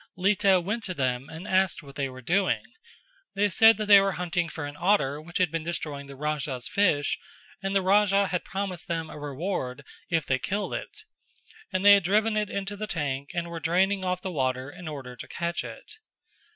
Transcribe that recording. Lita went to them and asked what they were doing; they said that they were hunting for an otter which had been destroying the Raja's fish and the Raja had promised them a reward if they killed it, and they had driven it into the tank and were draining off the water in order to catch it.